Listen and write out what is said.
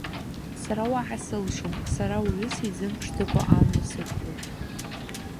Сара уаҳа сылшом, сара уаҩы сизымԥшӡакәа амҩа сықәлоит.